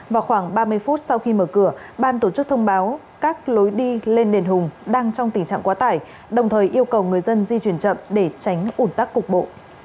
vào khoảng ba mươi phút sau khi mở cửa ban tổ chức thông báo các lối đi lên đền hùng đang trong tình trạng quá tải đồng thời yêu cầu người dân di chuyển chậm để tránh ủn tắc cục bộ